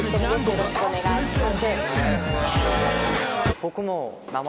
よろしくお願いします。